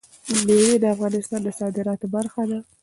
مېوې د افغانستان د صادراتو برخه ده.